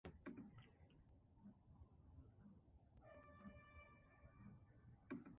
By this time, he made frequent appearances at clubs and festivals in New York.